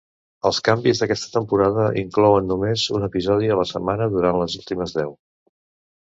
Els canvis d'aquesta temporada inclouen només un episodi a la setmana durant les últimes deu.